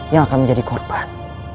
yang akan menjadi korban